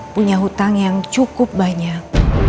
punya hutang yang cukup banyak